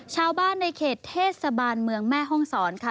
ชาวบ้านในเขตเทศบาลเมืองแม่ห้องศรค่ะ